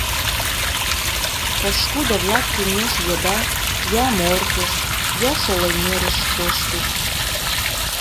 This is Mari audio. Пошкудо-влак кеҥеж еда я Моркыш, я Шолеҥерыш коштыт.